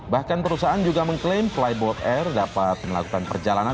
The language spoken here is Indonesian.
bahkan perusahaan juga mengklaim flyboard air dapat melakukan perjalanan